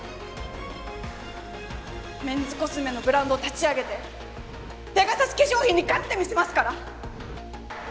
メンズコスメのブランドを立ち上げてペガサス化粧品に勝ってみせますから。